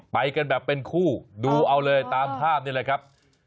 ไปกันแบบเป็นคู่ดูเอาเลยตามภาพนี่แหละครับ